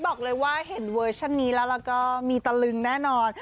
บอกเลยว่าเห็นเวอร์ชันนี้แล้วแล้วก็มีตะลึงแน่นอน